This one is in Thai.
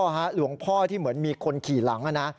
หลวงพ่อที่เหมือนมีคนขี่หลังนะ